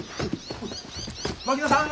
槙野さん